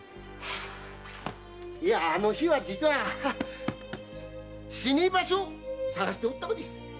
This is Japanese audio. あの日は実は死に場所を探しておったのです。